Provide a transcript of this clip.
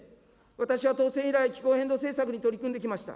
私は当選以来、気候変動政策に取り組んできました。